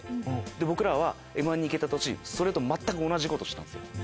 僕らは『Ｍ−１』に行けた年それと全く同じことをしたんです。